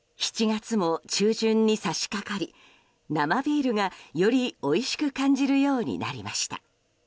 ７月も中旬に差し掛かり生ビールが、よりおいしく感じるようになりました。